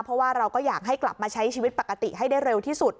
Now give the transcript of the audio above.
เพราะว่าเราก็อยากให้กลับมาใช้ชีวิตปกติให้ได้เร็วที่สุด